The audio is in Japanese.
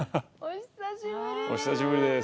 お久しぶりです。